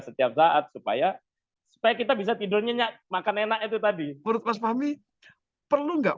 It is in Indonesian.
setiap saat supaya supaya kita bisa tidur nyenyak makan enak itu tadi berubah family perlu enggak